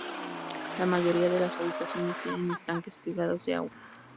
La mayoría de las habitaciones tienen estanques privados de agua.